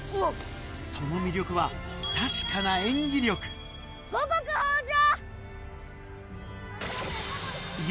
その魅力は確かな五穀豊穣！